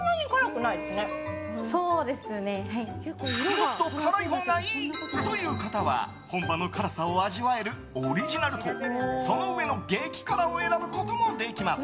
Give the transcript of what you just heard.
もっと辛いほうがいい！という方は本場の辛さを味わえるオリジナルとその上の激辛を選ぶこともできます。